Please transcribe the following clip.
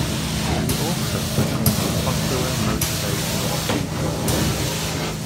He also became a popular motivational speaker.